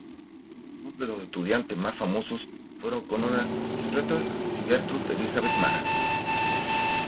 Dos de sus estudiantes más famosos fueron Corona Schröter y Gertrud Elisabeth Mara.